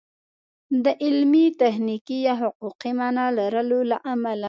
د علمي، تخنیکي یا حقوقي مانا لرلو له امله